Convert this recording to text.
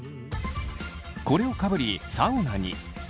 これをかぶりサウナに。